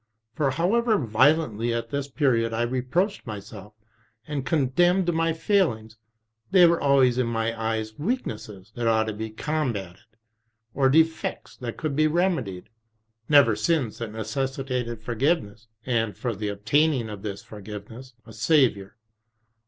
For however violently at this period I reproached myself and condemned my failings, they were always in my eyes weaknesses that ought to be combatted, or defects that could be remedied, never sins that necessitated forgiveness, and for the obtaining of this forgiveness, a Sa viour.